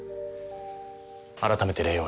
改めて礼を言う。